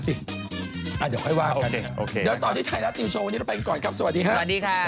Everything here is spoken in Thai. สวัสดีครับทุกคน